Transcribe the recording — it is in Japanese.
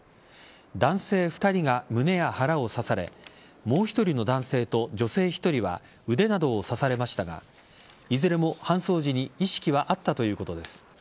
男性２人が胸や腹を刺されもう１人の男性と女性１人は腕などを刺されましたがいずれも搬送時に意識はあったということです。